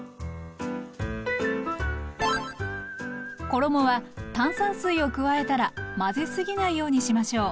衣は炭酸水を加えたら混ぜすぎないようにしましょう。